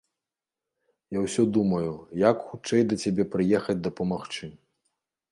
Я ўсё думаю, як хутчэй да цябе прыехаць дапамагчы.